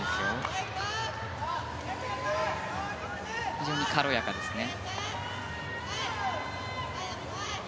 非常に借りろやかですね。